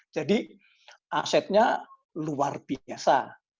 jadi asetnya luar biasa